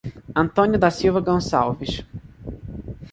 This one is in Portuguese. Antônio da Silva Goncalves